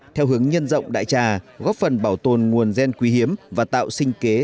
theo hướng nhân rộng đại trà góp phần bảo tồn nguồn gen quý hiếm và tạo sinh kế